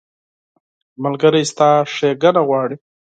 ملګری ستا ښېګڼه غواړي.